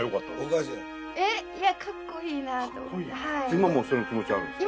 今もその気持ちあるんですか？